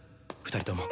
２人とも。